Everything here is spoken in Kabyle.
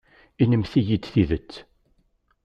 Inimt-iyi-d tidet.